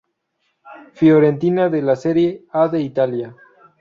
Fiorentina de la Serie A de Italia.